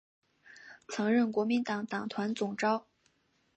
曾任国民党党团总召。